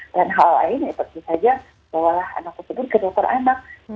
dan hal lain yang penting saja bawalah anak tersebut ke dokter anak